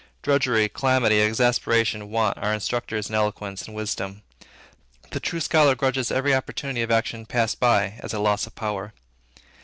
Drudgery, calamity, exasperation, want, are instructors in eloquence and wisdom. The true scholar grudges every opportunity of action past by, as a loss of power.